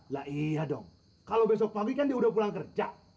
lah iya dong kalau besok pagi kan dia udah pulang kerja